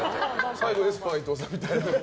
最後エスパー伊東さんみたいな。